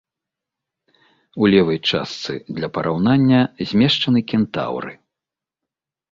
У левай частцы для параўнання змешчаны кентаўры.